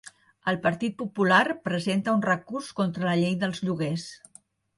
El Partit Popular presenta un recurs contra la llei dels lloguers.